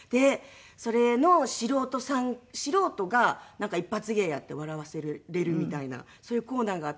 それの素人がなんか一発芸やって笑わせれるみたいなそういうコーナーがあって。